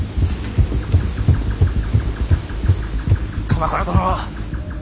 鎌倉殿は？